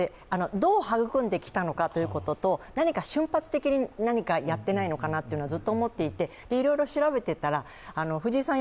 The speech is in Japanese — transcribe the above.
どう育んできたのかということと何か瞬発的に何かやってないのかなというのはずっと思っていていろいろ調べていたら、藤井さん